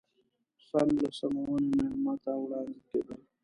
سم له سمونې مېلمه ته وړاندې کېدل.